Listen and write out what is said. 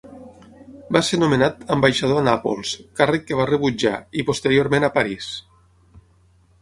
Va ser nomenat ambaixador a Nàpols, càrrec que va rebutjar, i posteriorment a París.